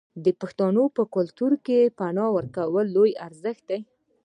د پښتنو په کلتور کې د پنا ورکول لوی ارزښت دی.